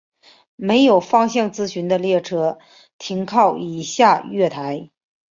没有方向资讯的列车停靠以下月台。